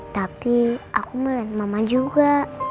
tapi aku main mama juga